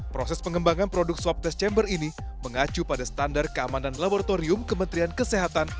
proses pengembangan produk swab test chamber ini mengacu pada standar keamanan laboratorium kementerian kesehatan